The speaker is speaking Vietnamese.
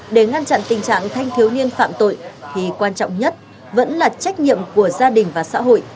để ngăn chặn tình trạng thanh thiếu niên phạm tội thì quan trọng nhất vẫn là trách nhiệm của gia đình và xã hội